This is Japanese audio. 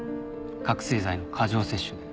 覚醒剤の過剰摂取で。